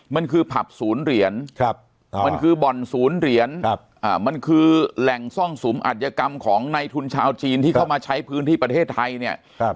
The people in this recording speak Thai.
มันคือผับศูนย์เหรียญมันคือบ่อนศูนย์เหรียญมันคือแหล่งซ่องสุมอัธยกรรมของในทุนชาวจีนที่เข้ามาใช้พื้นที่ประเทศไทยเนี่ย